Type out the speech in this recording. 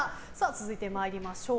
続いて参りましょう。